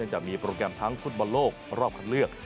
จากมีโปรแกรมทั้งฟุตบอลโลกรอบคัดเลือก